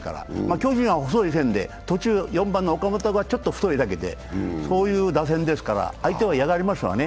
巨人は細い線で途中、４番の岡本が太い線だけでそういう打線ですから、相手は嫌がりますわね。